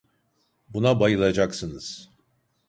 Buna bayılacaksınız.